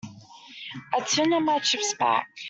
I'd sooner have my chips back.